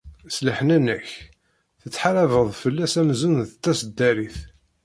S leḥnana-k, tettḥarabeḍ fell-as amzun d taseddarit.